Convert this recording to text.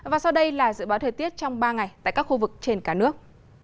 và sau đây là dự báo thời tiết trong ba ngày tại các khu vực trên cả nước